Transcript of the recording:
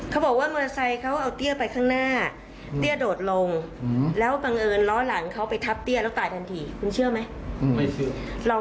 เราไม่เชื่อว่าสีเลือดเขาพูดเป็นความจริง